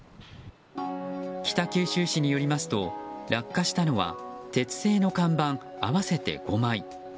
北九州市によりますと落下したのは鉄製の看板合わせて５枚。